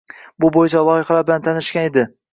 Bu bo‘yicha loyihalar bilan tanishgan edi.